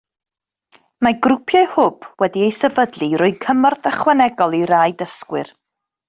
Mae grwpiau hwb wedi eu sefydlu i roi cymorth ychwanegol i rai dysgwyr